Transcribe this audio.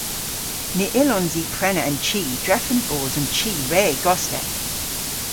Ny yllons i prena an chi drefen bos an chi re gostek.